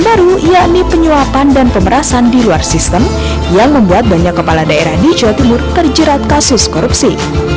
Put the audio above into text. baru yakni penyuapan dan pemerasan di luar sistem yang membuat banyak kepala daerah di jawa timur terjerat kasus korupsi